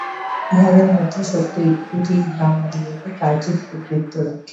ইহার মধ্যে সত্য এইটুকু যে, ইহা আমাদিগকে কার্যে প্রবৃত্ত রাখে।